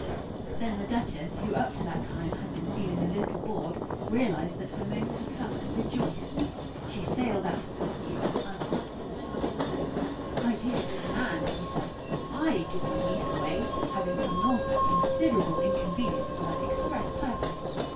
Then the duchess, who up to that time had been feeling a little bored, realised that her moment had come, and rejoiced. She sailed out of her pew, and advanced to the chancel step. "My dear good man," she said; "I give my niece away; having come north at considerable inconvenience for that express purpose.